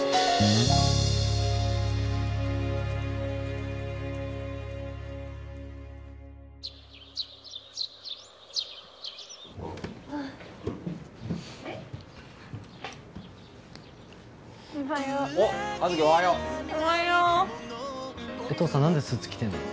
えっ父さん何でスーツ着てんの？